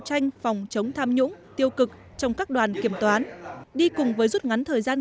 tranh phòng chống tham nhũng tiêu cực trong các đoàn kiểm toán đi cùng với rút ngắn thời gian